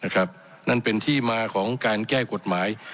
นั่นเป็นที่มาของการแก้กฎหมาย